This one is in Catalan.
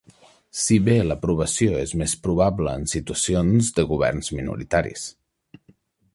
Si bé l'aprovació és més probable en situacions de governs minoritaris.